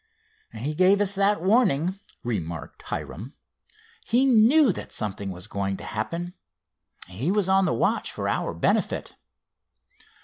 "He gave us that warning," remarked Hiram. "He knew that something was going to happen. He was on the watch for our benefit."